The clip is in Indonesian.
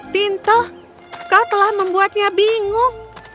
tinto kau telah membuatnya bingung